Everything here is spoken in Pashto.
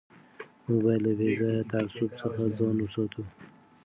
موږ باید له بې ځایه تعصب څخه ځان وساتو.